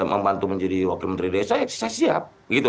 membantu menjadi wakil menteri desa ya saya siap